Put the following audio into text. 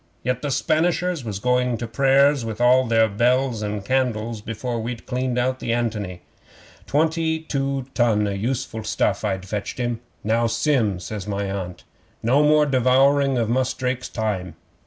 Yet the Spanishers was going to prayers with their bells and candles before we'd cleaned out the ANTONY. Twenty two ton o' useful stuff I'd fetched him. '"Now, Sim," says my Aunt, "no more devouring of Mus' Drake's time.